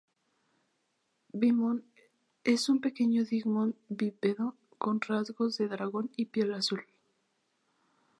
V-mon es un pequeño digimon bípedo con rasgos de dragón y piel azul.